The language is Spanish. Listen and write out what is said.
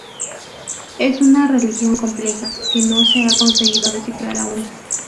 Es una religión compleja, que no se ha conseguido descifrar aún.